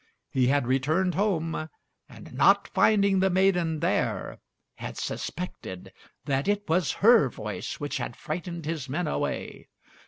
He had returned home, and not finding the maiden there, had suspected that it was her voice which had frightened his men away.